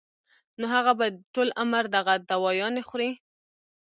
نو هغه به ټول عمر دغه دوايانې خوري